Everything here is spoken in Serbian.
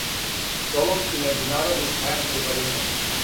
Солунски међународни сајам трговине.